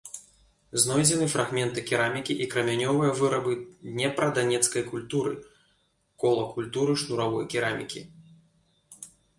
Знойдзены фрагменты керамікі і крамянёвыя вырабы днепра-данецкай культуры, кола культуры шнуравой керамікі.